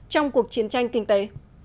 trong cuộc chiến tranh kinh tế